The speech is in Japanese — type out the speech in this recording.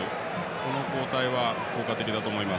この交代は効果的だと思います。